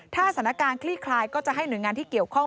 ถ้าสถานการณ์คลี่คลายก็จะให้หน่วยงานที่เกี่ยวข้อง